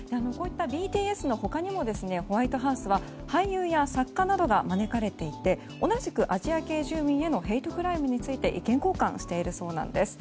ＢＴＳの他にもホワイトハウスは俳優や作家などが招かれてて同じくアジア系住民へのヘイトクライムについて意見交換しているそうです。